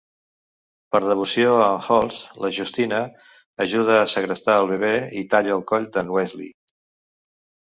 Per devoció a en Holtz, la Justina ajuda a segrestar el bebè i talla el coll d'n Wesley.